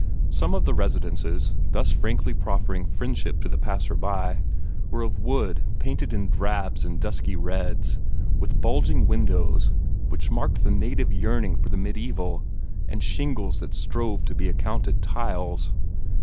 Some of the residences, thus frankly proffering friendship to the passer by, were of wood painted in drabs and dusky reds, with bulging windows which marked the native yearning for the mediaeval, and shingles that strove to be accounted tiles.